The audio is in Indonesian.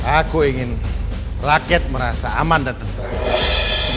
aku ingin rakyat merasa aman dan tentral